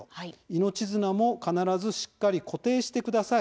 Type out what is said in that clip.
命綱も、必ずしっかり固定してください。